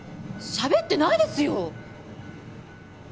しゃべってないですよ！